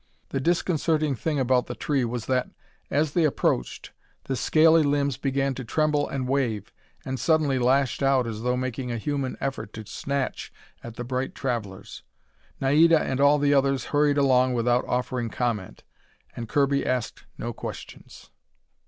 The disconcerting thing about the tree was that, as they approached, the scaly limbs began to tremble and wave, and suddenly lashed out as though making a human effort to snatch at the bright travelers. Naida and all the others hurried along without offering comment, and Kirby asked no questions.